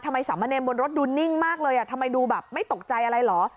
ทำไมสามะเรนบนรถดูนิ่งมากเลยทำไมดูแบบไม่ตกใจอะไรหรอ